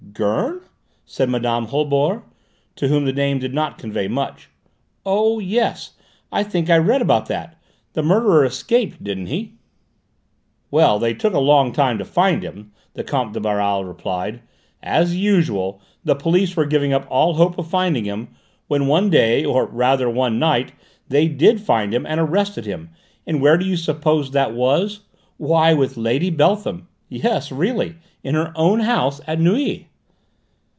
"Gurn?" said Mme. Holbord, to whom the name did not convey much. "Oh, yes, I think I read about that: the murderer escaped, didn't he?" "Well, they took a long time to find him," the Comte de Baral replied. "As usual, the police were giving up all hope of finding him, when one day, or rather one night, they did find him and arrested him; and where do you suppose that was? Why, with Lady Beltham! Yes, really: in her own house at Neuilly!"